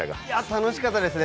楽しかったですね。